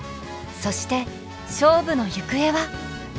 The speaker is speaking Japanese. そして勝負のゆくえは。